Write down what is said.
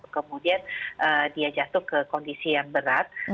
kemudian dia jatuh ke kondisi yang berat